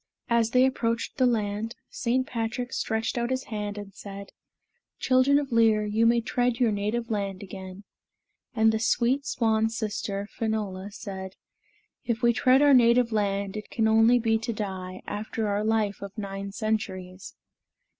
As they approached the land, St. Patrick stretched his hand and said, "Children of Lir, you may tread your native land again." And the sweet swan sister, Finola, said, "If we tread our native land, it can only be to die, after our life of nine centuries.